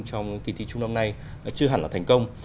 trong kỳ thi trung năm nay chưa hẳn là thành công